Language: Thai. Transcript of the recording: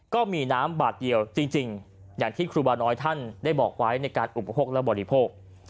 ก็มีน้ำบาทเดียวจริงอย่างที่ครูบาน้อยท่านได้บอกไว้ในการอุปโภคและบริโภค